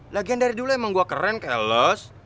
lagian dari dulu emang gua keren keles